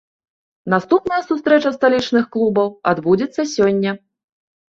Наступная сустрэча сталічных клубаў адбудзецца сёння.